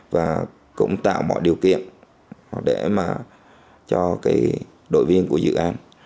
và cũng tạo mọi điều kiện để mà cho cái đội viên của dự án